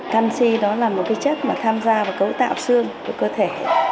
canxi đó là một cái chất mà tham gia và cấu tạo xương của cơ thể